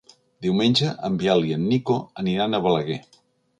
Diumenge en Biel i en Nico aniran a Balaguer.